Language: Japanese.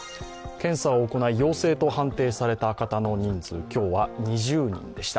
検査を行い陽性と判定された方の人数、今日は２０人でした。